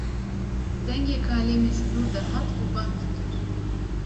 Dengê kalê min ji dûr de hat û bang dikir